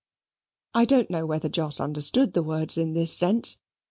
I don't know whether Jos understood the words in this sense.